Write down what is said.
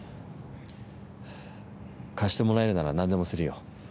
貸してもらえるなら何でもするよ。